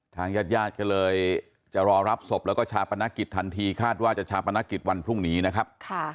ทางญาติญาติก็เลยจะรอรับศพแล้วก็ชาปนกิจทันทีคาดว่าจะชาปนกิจวันพรุ่งนี้นะครับ